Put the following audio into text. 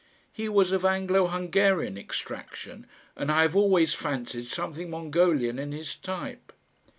He was of Anglo Hungarian extraction, and I have always fancied something Mongolian in his type.